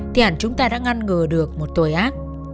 thì hẳn chúng ta đã ngăn ngừa được một tội ác